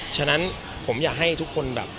ฉะนั้นผมอยากให้ทุกคนแบบ